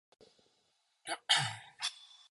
밥이 썩지 않도록 냉장고에 넣어라.